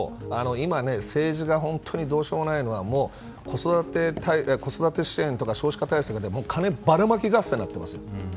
今、政治が本当にどうしようもないのは子育て支援とか少子化対策で金ばらまき合戦になっていますよ。